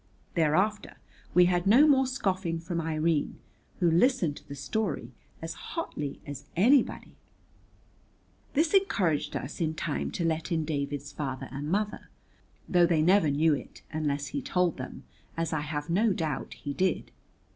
Thereafter we had no more scoffing from Irene, who listened to the story as hotly as anybody. This encouraged us in time to let in David's father and mother, though they never knew it unless he told them, as I have no doubt he did.